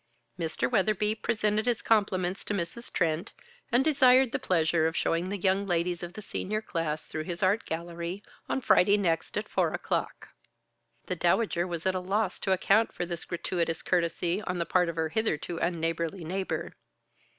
Mr. Weatherby presented his compliments to Mrs. Trent, and desired the pleasure of showing the young ladies of the Senior class through his art gallery on Friday next at four o'clock. The Dowager was at a loss to account for this gratuitous courtesy on the part of her hitherto unneighborly neighbor.